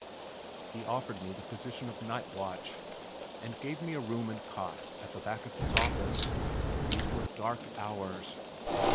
He offered me the position of night watch and gave me a room and cot at the back of his office. These were dark hours!